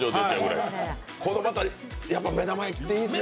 この目玉焼きっていいですね